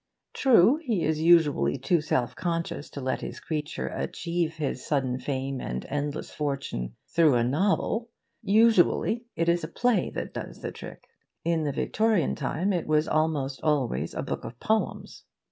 True, he is usually too self conscious to let this creature achieve his sudden fame and endless fortune through a novel. Usually it is a play that does the trick. In the Victorian time it was almost always a book of poems.